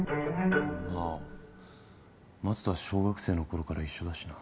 まあ松とは小学生のころから一緒だしな。